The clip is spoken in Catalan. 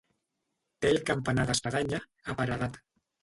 Té el campanar d'espadanya, aparedat.